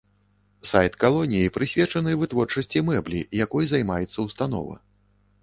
Сайт калоніі прысвечаны вытворчасці мэблі, якой займаецца ўстанова.